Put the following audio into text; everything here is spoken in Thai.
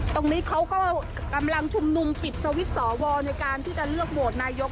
ตรงนี้เขาก็กำลังชุมนุมปิดสวิตช์สอวอในการที่จะเลือกโหวตนายก